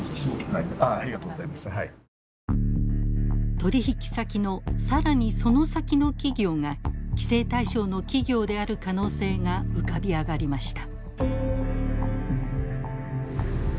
取引先の更にその先の企業が規制対象の企業である可能性が浮かび上がりました。